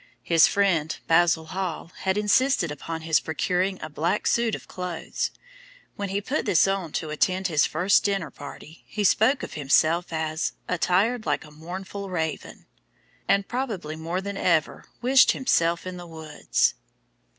His friend, Basil Hall, had insisted upon his procuring a black suit of clothes. When he put this on to attend his first dinner party, he spoke of himself as "attired like a mournful raven," and probably more than ever wished himself in the woods.